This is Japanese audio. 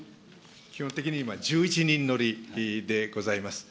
基本的に今、１１人乗りでございます。